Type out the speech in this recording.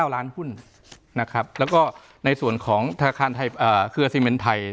๗๙ล้านหุ้นแล้วก็ในส่วนของเครือสิเมนไทย